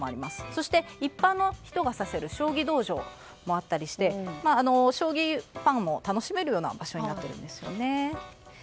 そして、一般の人が指せる将棋道場もあったりして将棋ファンも楽しめる場所になっているんですよね。